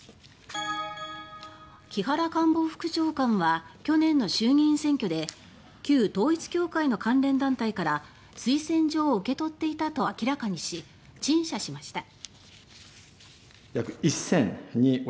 木原官房副長官は去年の衆議院選挙で旧統一教会の関連団体から推薦状を受け取っていたと明らかにし陳謝しました。